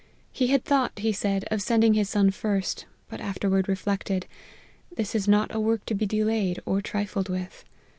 He had thought, he said, of sending his son first : but afterward reflected, This is not a work to be delayed, or trifled with.'